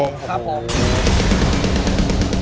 ครับผม